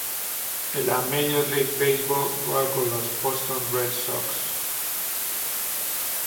En la Major League Baseball juega para los Boston Red Sox.